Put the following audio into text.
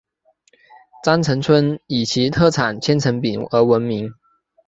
鄣城村以其特产千层饼而闻名。